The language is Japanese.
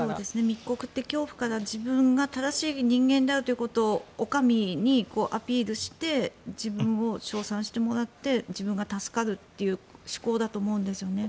密告って、恐怖から自分が正しい人間であるということをお上にアピールして自分を称賛してもらって自分が助かるっていう思考だと思うんですよね。